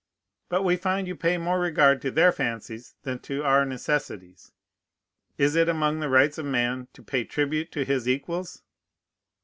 But we find you pay more regard to their fancies than to our necessities. Is it among the rights of man to pay tribute to his equals?